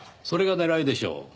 それが狙いでしょう。